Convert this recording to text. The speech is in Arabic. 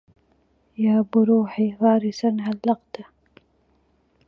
يا بروحي فارسا علقته